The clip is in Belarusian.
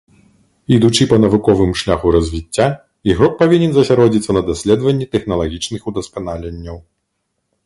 Ідучы па навуковым шляху развіцця, ігрок павінен засяродзіцца на даследаванні тэхналагічных удасканаленняў.